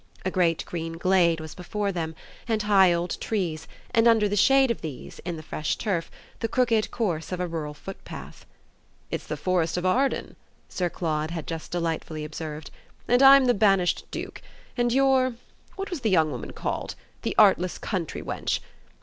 A great green glade was before them, and high old trees, and under the shade of these, in the fresh turf, the crooked course of a rural footpath. "It's the Forest of Arden," Sir Claude had just delightfully observed, "and I'm the banished duke, and you're what was the young woman called? the artless country wench.